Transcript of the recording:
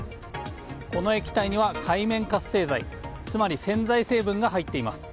この液体には、界面活性剤つまり洗剤成分が入っています。